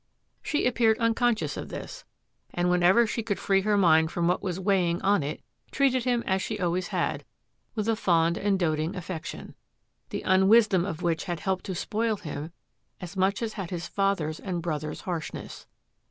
She appeared unconscious of this, and whenever she could free her mind from what was weighing on it, treated him as she always had, with a fond and doting affection, the unwisdom of which had helped to spoil him as much as had his father's and brother's harshness.